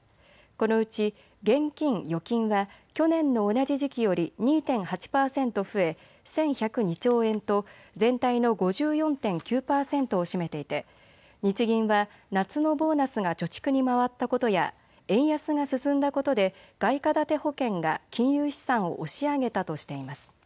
このうち現金・預金は去年の同じ時期より２．８％増え１１０２兆円と全体の５４．９％を占めていて日銀は夏のボーナスが貯蓄に回ったことや円安が進んだことで外貨建て保険が金融資産を押し上げたとしています。